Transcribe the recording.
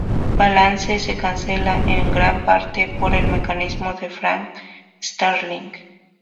El balance se alcanza, en gran parte, por el mecanismo de Frank-Starling.